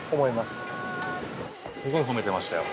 すごい褒めてましたよ。